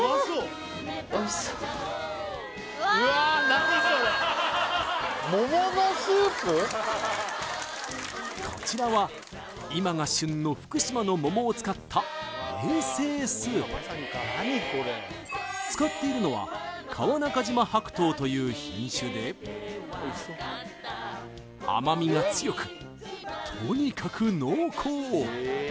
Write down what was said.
おいしそうこちらは今が旬の福島の桃を使った冷製スープ使っているのは川中島白桃という品種で甘みが強くとにかく濃厚！